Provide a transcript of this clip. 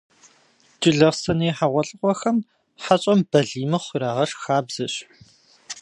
Джылэхъстэней хьэгъуэлӏыгъуэхэм хьэщӏэм «балий мыхъу» ирагъэшх хабзэщ.